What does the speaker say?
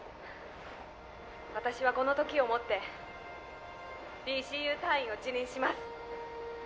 私はこの時をもってＤＣＵ隊員を辞任します